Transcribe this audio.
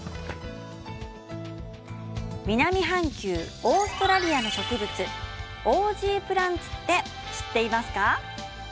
南半球オーストラリアの植物オージープランツって知っていますか？